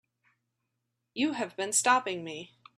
You have been stopping me.